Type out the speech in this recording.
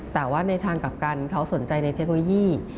แต่ว่าในทางกลับกันเขาสนใจในเทคโนโลยี